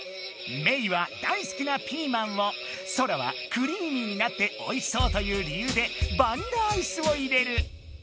メイは大好きなピーマンをソラはクリーミーになっておいしそうというりゆうでバニラアイスを入れる。